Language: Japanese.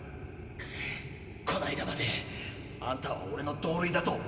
この間まであんたはオレの同類だと思ってた。